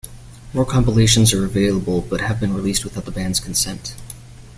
More compilations are available but have been released without the band's consent.